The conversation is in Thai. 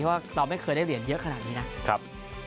ว่าเราไม่เคยได้เหรียญเยอะขนาดนี้นะครับ